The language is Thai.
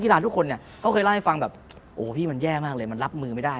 ร้านทุกคนเนี่ยเขาเคยเล่าให้ฟังแบบโอ้พี่มันแย่มากเลยมันรับมือไม่ได้